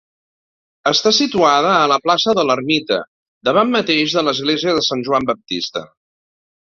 Està situada a la plaça de l'Ermita davant mateix de l'església de Sant Joan Baptista.